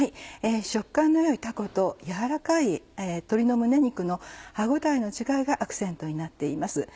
食感の良いたこと軟らかい鶏の胸肉の歯応えの違いがアクセントになっています。